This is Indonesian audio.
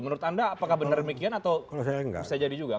menurut anda apakah benar demikian atau bisa jadi juga